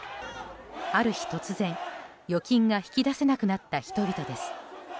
ある日、突然、預金が引き出せなくなった人々です。